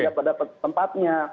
tidak pada tempatnya